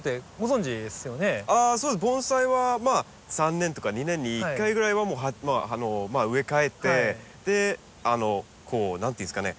あ盆栽は３年とか２年に１回ぐらいは植え替えてでこう何て言うんですかね